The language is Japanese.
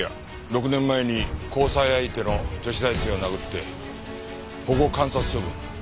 ６年前に交際相手の女子大生を殴って保護観察処分。